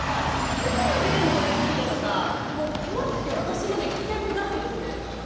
どこまで綿棒を入れていいかとか怖くて私も聞きたいことだらけですね。